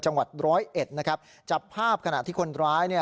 จังหวัดร้อยเอ็ดนะครับจับภาพขณะที่คนร้ายเนี่ย